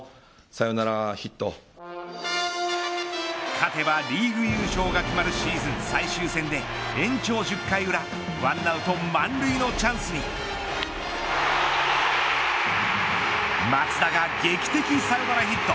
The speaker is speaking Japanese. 勝てばリーグ優勝が決まるシーズン最終戦で延長１０回裏１アウト満塁のチャンスに松田が劇的サヨナラヒット。